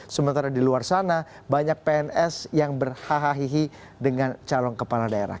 sementara di luar sana banyak pns yang berhahahihi dengan calon kepala daerah